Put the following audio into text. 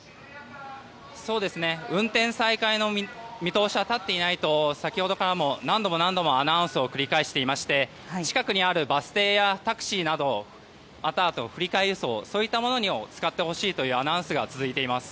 運転再開の見通しは立っていないと先ほどから何度も何度もアナウンスを繰り返していまして近くにあるバス停やタクシーなどの振り替え輸送そういったものを使ってほしいというアナウンスが続いています。